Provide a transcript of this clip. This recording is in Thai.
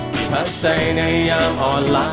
ที่พักใจในยามห่อนหลัก